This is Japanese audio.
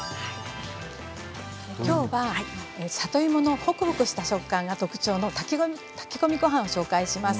きょうは里芋のホクホクした食感が特徴の炊き込みごはんです。